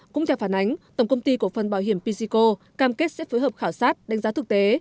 cũng theo phản ánh tổng công ty cổ phân bảo hiểm pysico cam kết sẽ phối hợp khảo sát đánh giá thực tế